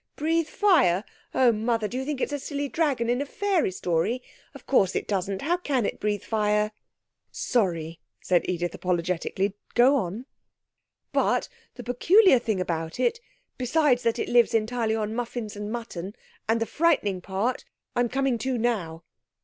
'Breathe fire! Oh, Mother! Do you think it's a silly dragon in a fairy story? Of course it doesn't. How can it breathe fire?' 'Sorry,' said Edith apologetically. 'Go on.' 'But, the peculiar thing about it, besides that it lives entirely on muffins and mutton and the frightening part, I'm coming to now.'